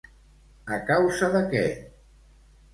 A causa de què?